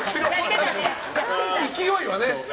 勢いはね。